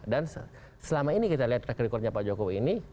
dan selama ini kita lihat rekordnya pak jokowi ini